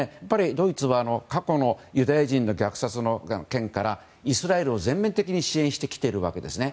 ドイツは過去のユダヤ人虐殺の件からイスラエルを全面的に支援してきているわけですね。